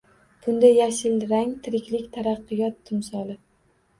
Bunda yashil rang – tiriklik, taraqqiyot timsoli